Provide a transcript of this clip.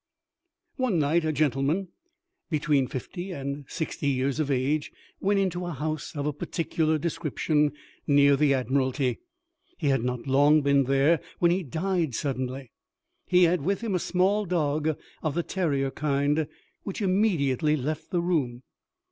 One night, a gentleman, between fifty and sixty years of age, went into a house of a particular description near the Admiralty. He had not been long there when he died suddenly. He had with him a small dog of the terrier kind, which immediately left the room.